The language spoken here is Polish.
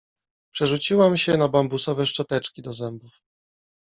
Przerzuciłam się na bambusowe szczoteczki do zębów.